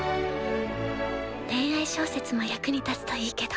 恋愛小説も役に立つといいけど。